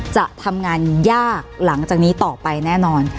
จะทำงานยากหลังจากนี้ต่อไปแน่นอน